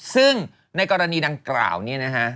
ซึ่งในกรณีดังกล่าวนี้นะฮะ